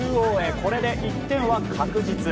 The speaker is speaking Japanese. これで１点は確実。